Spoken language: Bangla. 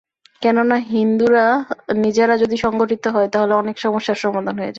কেননা, হিন্দুরা নিজেরা যদি সংগঠিত হয়, তাহলে অনেক সমস্যার সমাধান হয়ে যাবে।